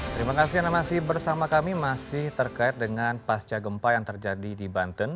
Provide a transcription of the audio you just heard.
terima kasih anda masih bersama kami masih terkait dengan pasca gempa yang terjadi di banten